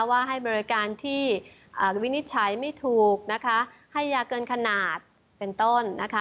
ว่าให้บริการที่วินิจฉัยไม่ถูกนะคะให้ยาเกินขนาดเป็นต้นนะคะ